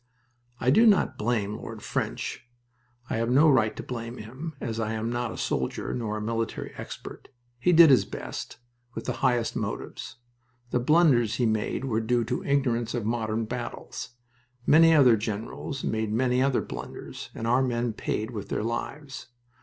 I do not blame Lord French. I have no right to blame him, as I am not a soldier nor a military expert. He did his best, with the highest motives. The blunders he made were due to ignorance of modern battles. Many other generals made many other blunders, and our men paid with their lives.